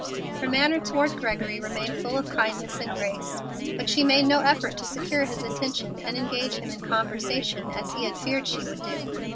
Her manner toward Gregory remained full of kindness and grace, but she made no effort to secure his attention and engage him in conversation, as he had feared she would do.